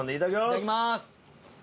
いただきます。